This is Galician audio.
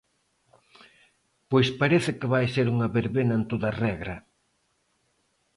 Pois parece que vai ser unha verbena en toda regra.